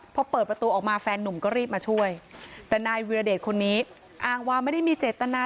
พอเปิดประตูออกมาแฟนนุ่มก็รีบมาช่วยแต่นายวิรเดชคนนี้อ้างว่าไม่ได้มีเจตนา